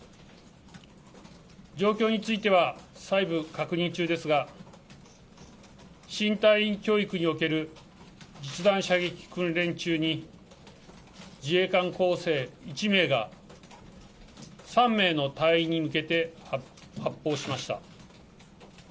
状況については細部、確認中ですが、新隊員教育における実弾射撃訓練中に、自衛官候補生１名が、３名の隊員に向けて発砲しました。